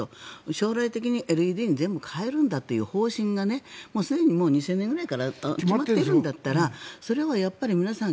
将来的に全部ＬＥＤに変えるんだという方針がもうすでに２０００年ぐらいから決まっているんだったらそれは皆さん